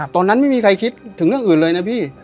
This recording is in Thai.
ตอนนั้นไม่มีใครคิดถึงเรื่องอื่นเลยนะพี่